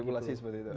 spekulasi seperti itu